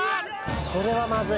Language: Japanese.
それはまずい。